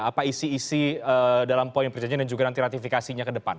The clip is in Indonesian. apa isi isi dalam poin perjanjian dan juga nanti ratifikasinya ke depan